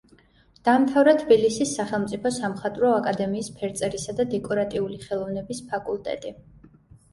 დაამთავრა თბილისის სახელმწიფო სამხატვრო აკადემიის ფერწერისა და დეკორატიული ხელოვნების ფაკულტეტი.